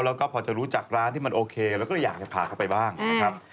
แล้วก็พอจะรู้จักร้านที่มันโอเคแล้วก็อยากจะพาเขาไปบ้างนะครับ